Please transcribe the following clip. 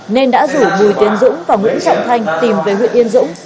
nên đã rủ bùi tiến dũng và nguyễn trọng thanh tìm về huyện yên dũng